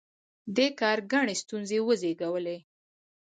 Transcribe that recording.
دې کار ګڼې ستونزې وزېږولې.